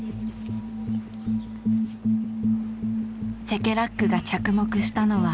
セケラックが着目したのは。